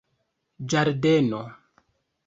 ĝardeno